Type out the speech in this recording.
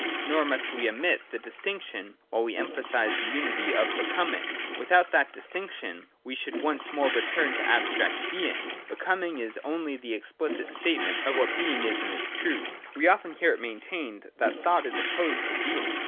Nor must we omit the dis tinction, while we emphasise the unity of Becoming : with out that distinction we should once more return to abstract Being. Becoming is only the explicit statement of what Being is in its truth. 1 68 THE DOCTRINE OF BEING. [88. We often hear it maintained that thought is opposed to being.